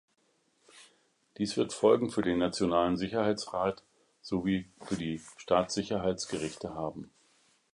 Dies wird Folgen für den Nationalen Sicherheitsrat sowie für die Staatssicherheitsgerichte haben.